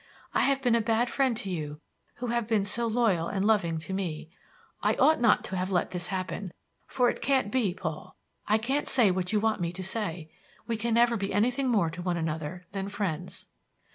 I have been a bad friend to you, who have been so loyal and loving to me. I ought not to have let this happen. For it can't be, Paul; I can't say what you want me to say. We can never be anything more to one another than friends."